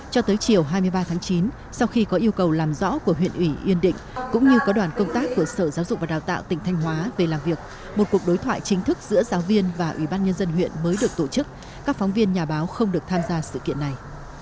cho tới chiều hai mươi ba tháng chín sau khi có yêu cầu làm rõ của huyện ủy yên định cũng như có đoàn công tác của sở giáo dục và đào tạo tỉnh thanh hóa về làm việc một cuộc đối thoại chính thức giữa giáo viên và ủy ban nhân dân huyện mới được tổ chức các phóng viên nhà báo không được tham gia sự kiện này